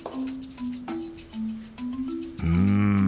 うん。